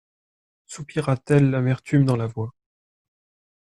Soupira-t-elle l'amertume dans la voix.